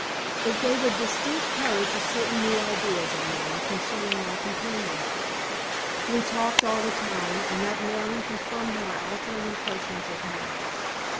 It gave a distinct color to certain new ideas of mine concerning my companion. We talked all the time, and that morning confirmed my altering impressions of him.